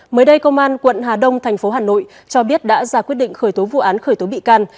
mới đây công an quận hà đông tp hcm cho biết đã ra quyết định khởi tố vụ án khởi tố bị can